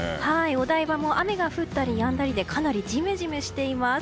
お台場も雨が降ったりやんだりでかなりジメジメしています。